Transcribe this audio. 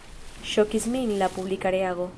Ŝokis min la publika reago.